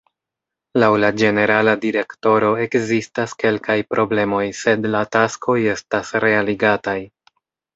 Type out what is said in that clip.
Laŭ la ĝenerala direktoro ekzistas kelkaj problemoj, sed la taskoj estas realigataj.